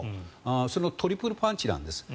そのトリプルパンチなんです。